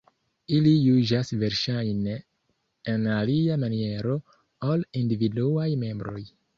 Ili juĝas verŝajne en alia maniero ol individuaj membroj.